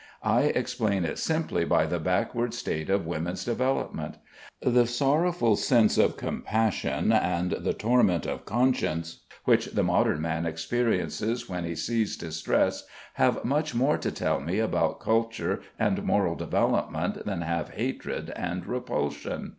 I explain it simply by the backward state of women's development. The sorrowful sense of compassion and the torment of conscience, which the modern man experiences when he sees distress have much more to tell me about culture and moral development than have hatred and repulsion.